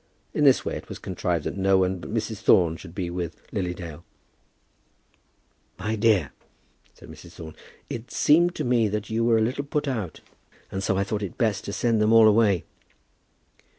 In this way it was contrived that no one but Mrs. Thorne should be with Lily Dale. "My dear," said Mrs. Thorne, "it seemed to me that you were a little put out, and so I thought it best to send them all away."